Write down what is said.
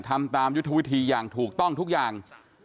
ทำตามยุทธวิธีอย่างถูกต้องทุกอย่าง